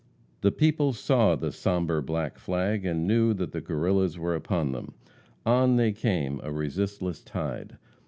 The people saw the sombre black flag, and knew that the Guerrillas were upon them. On they came, a resistless tide.